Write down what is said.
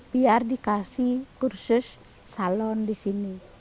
biar dikasih kursus salon di sini